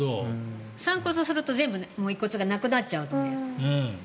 散骨すると全部遺骨がなくなっちゃうので。